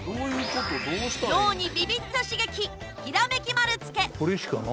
脳にビビッと刺激ひらめき丸つけ！